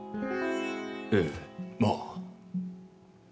ええまあ。